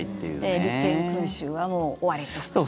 立憲君主はもう終わりと。